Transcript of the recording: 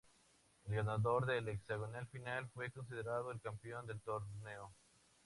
El ganador del hexagonal final fue considerado el campeón del torneo.